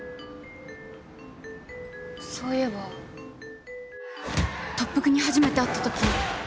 そういえば特服に初めて会ったとき。